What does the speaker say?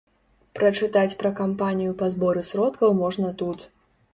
Прачытаць пра кампанію па зборы сродкаў можна тут.